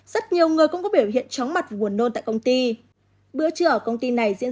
rất nhiều người cũng có biểu hiện chóng mặt buồn nôn tại công ty bữa trưa ở công ty này diễn